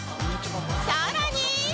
さらに！